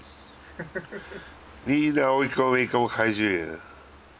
ハハハッ。